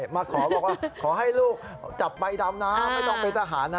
มาขอบอกว่าขอให้ลูกจับใบดำนะไม่ต้องเป็นทหารนะ